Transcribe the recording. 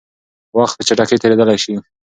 وخت په چټکۍ تېرېدلی شي.